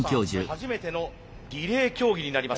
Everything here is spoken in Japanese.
初めてのリレー競技になります。